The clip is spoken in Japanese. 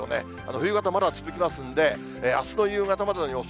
冬型はまだ続きますんで、あすの夕方までの予想